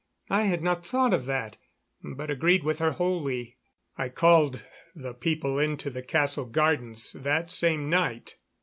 I had not thought of that, but agreed with her wholly. I called the people into the castle gardens that same night.